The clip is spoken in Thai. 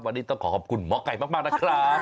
วันนี้ต้องขอขอบคุณหมอไก่มากนะครับ